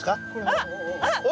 あっあっ！